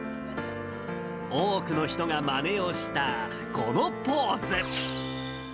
多くの人がまねをしたこのポーズ。